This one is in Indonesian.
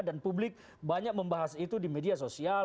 dan publik banyak membahas itu di media sosial